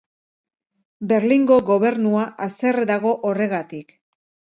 Berlingo gobernua haserre dago horregatik.